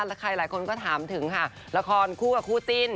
แล้วใครหลายคนก็ถามถึงค่ะละครคู่กับคู่จิ้น